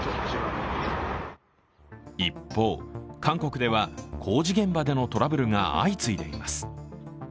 一方韓国では、工事現場でのトラブルが相次いでいます。